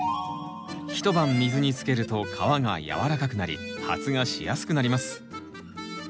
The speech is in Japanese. ひと晩水につけると皮がやわらかくなり発芽しやすくなります。